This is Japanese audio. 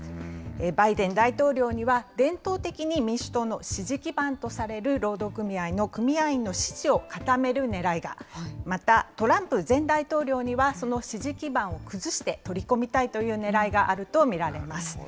バイデン大統領には、伝統的に民主党の支持基盤とされる労働組合の組合員の支持を固めるねらいが、また、トランプ前大統領にはその支持基盤を崩して取り込みたいというねらいがあると見られます。